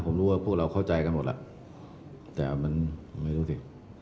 ผมรู้ว่าพวกเราเข้าใจกันหมดล่ะแต่มันไม่รู้สิ